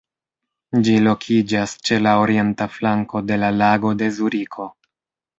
Ĝi lokiĝas ĉe la orienta flanko de la "Lago de Zuriko".